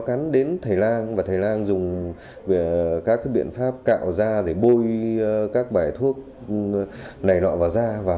cắn đến thái lan và thái lan dùng các biện pháp cạo da để bôi các bài thuốc này nọ vào da và